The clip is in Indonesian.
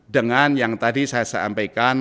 dengan yang tadi saya sampaikan